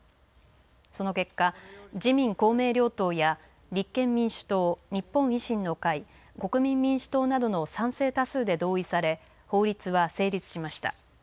その結果、自民・公明両党や立憲民主党、日本維新の会国民民主党などの賛成多数で同意され法律は成立しました。